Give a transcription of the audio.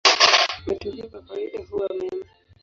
Matokeo kwa kawaida huwa mema.